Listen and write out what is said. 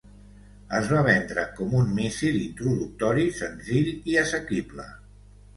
Es va vendre com un míssil introductori senzill i assequible.